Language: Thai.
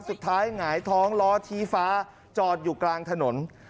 หงายท้องล้อชี้ฟ้าจอดอยู่กลางถนน